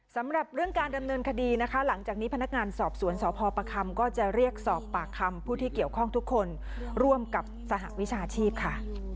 สำหรับเรื่องการดำเนินคดีนะคะหลังจากนี้พนักงานสอบสวนสพประคำก็จะเรียกสอบปากคำผู้ที่เกี่ยวข้องทุกคนร่วมกับสหวิชาชีพค่ะ